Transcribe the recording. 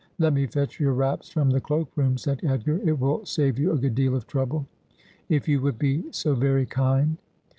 ' Let me fetch your wraps from the cloak room,' said Edgar. 'It will save you a good deal of trouble.' ' If you would be so very kind.'